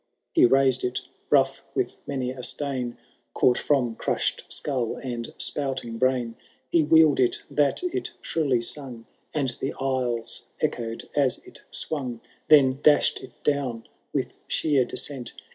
He raised it, rough with many a stain, Caught from crushed skull and spouting brain ; He wheePd it that it shrilly sung. And the aisles echoed as it swung. Then dash*d it down with sheer descent.